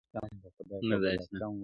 نه ، نه داسي نه ده.